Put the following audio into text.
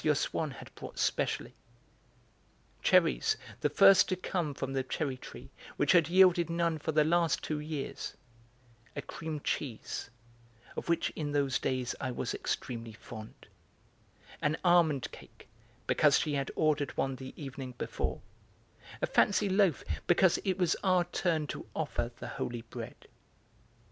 Swann had brought specially; cherries, the first to come from the cherry tree, which had yielded none for the last two years; a cream cheese, of which in those days I was extremely fond; an almond cake, because she had ordered one the evening before; a fancy loaf, because it was our turn to 'offer' the holy bread.